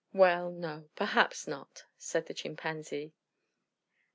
"Well, no, perhaps not," said the Chimpanzee.